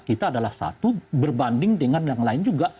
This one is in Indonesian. kita adalah satu berbanding dengan yang lain juga